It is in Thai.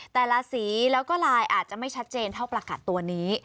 แต่ละสีแล้วก็ลายอาจจะไม่ชัดเจนเท่าประกัดตัวนี้